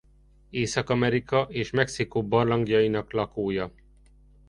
Észak-Amerika és Mexikó barlangjainak lakója.